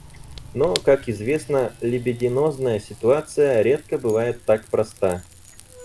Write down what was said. Но, как известно, либидинозная ситуация редко бывает так проста.